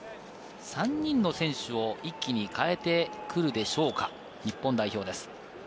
３人の選手を一気に代えてくるでしょうか、日本代表です。